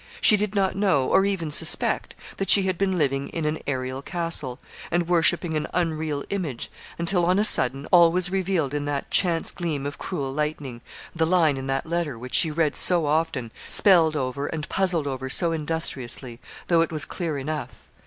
She did not know, or even suspect, that she had been living in an aerial castle, and worshipping an unreal image, until, on a sudden, all was revealed in that chance gleam of cruel lightning, the line in that letter, which she read so often, spelled over, and puzzled over so industriously, though it was clear enough.